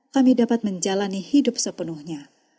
kami dapat menjalani hidup sepenuhnya